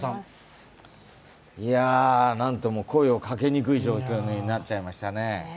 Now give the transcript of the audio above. なんとも声をかけにくい状況になっちゃいましたね。